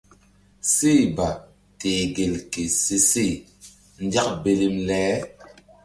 Seh ba teh gel ke se she nzak belem le.